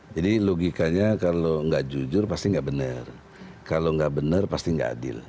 jadi logikanya kalau nggak jujur pasti nggak benar kalau nggak benar pasti nggak adil